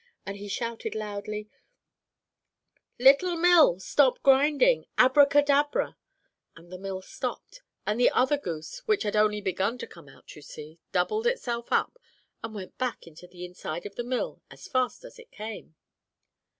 and he shouted loudly, 'Little mill, stop grinding, Abracadabra,' and the mill stopped, and the other goose, which had only began to come out, you see, doubled itself up, and went back again into the inside of the mill as fast as it came.